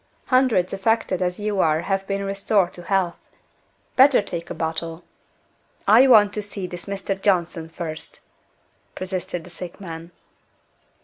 Hundreds affected as you are have been restored to health. Better take a bottle." "I want to see this Mr. Johnson first," persisted the sick man.